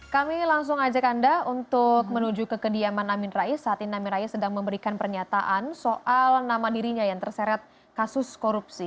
kami langsung ajak anda untuk menuju ke kediaman amin rais saat ini amin rais sedang memberikan pernyataan soal nama dirinya yang terseret kasus korupsi